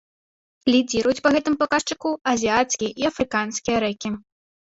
Лідзіруюць па гэтым паказчыку азіяцкія і афрыканскія рэкі.